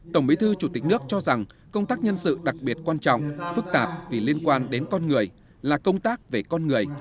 tổng bí thư chủ tịch nước cho rằng công tác nhân sự đặc biệt quan trọng phức tạp vì liên quan đến con người là công tác về con người